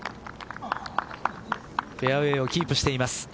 フェアウエーをキープしています。